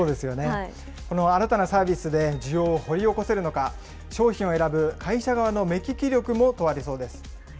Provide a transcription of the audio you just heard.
この新たなサービスで需要を掘り起こせるのか、商品を選ぶ会社側の目利き力も問われそうです。